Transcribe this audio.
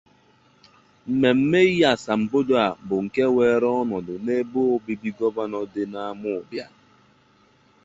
Mmemme inye asambodo a bụ nke weere ọnọdụ n'ebe obibi Gọvanọ dị n'Amawbia